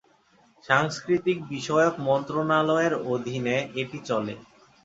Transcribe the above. সাংস্কৃতিক বিষয়ক মন্ত্রণালয়ের অধিনে এটি চলে।